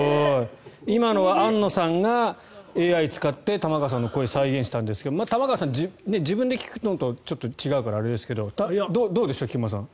今のは安野さんがＡＩを使って玉川さんの声を再現したんですが玉川さん、自分で聞くのとちょっと違うからあれですけどどうでしょう、菊間さん。